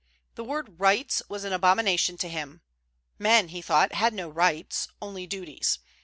The word "rights" was an abomination to him; men, he thought, had no rights, only duties.